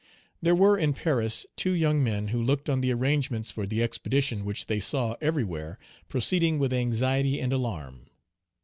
There were in Paris two young men who looked on the arrangements for the expedition which they saw everywhere proceeding with anxiety and alarm.